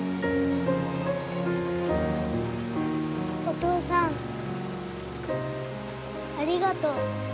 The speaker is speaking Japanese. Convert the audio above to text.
お父さんありがとう。